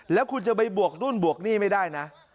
แล้วคุณจะไปบวกนู่นบวกหนี้ไม่ได้นะ